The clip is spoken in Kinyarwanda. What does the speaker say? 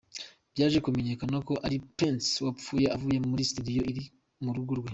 Byaje kumenyekana ko ari Prince wapfuye avuye muri studio iri mu rugo rwe.